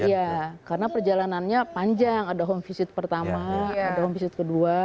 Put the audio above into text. iya karena perjalanannya panjang ada home visit pertama ada home visit kedua